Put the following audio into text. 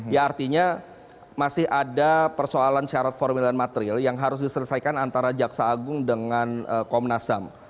ya artinya masih ada persoalan syarat formil dan material yang harus diselesaikan antara jaksa agung dengan komnas ham